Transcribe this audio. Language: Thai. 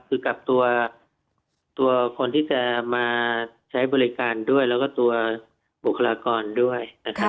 คือกับตัวคนที่จะมาใช้บริการด้วยแล้วก็ตัวบุคลากรด้วยนะครับ